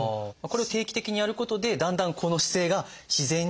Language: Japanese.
これを定期的にやることでだんだんこの姿勢が自然に。